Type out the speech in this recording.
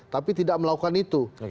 tapi tidak melakukan itu